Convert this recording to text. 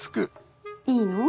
いいの？